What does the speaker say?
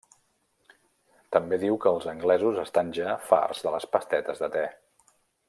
També diu que els anglesos estan ja farts de les pastetes de te.